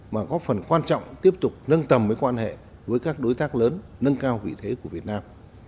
mà có phần quan trọng tiếp tục nâng tầm với quan hệ với các đối tác lớn nâng cao vị thế của việt nam